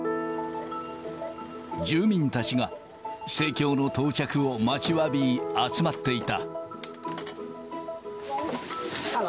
住民たちが生協の到着を待ちわび、集まっていた。